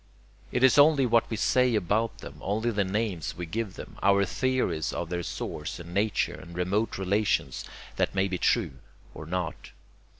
It is only what we say about them, only the names we give them, our theories of their source and nature and remote relations, that may be true or not.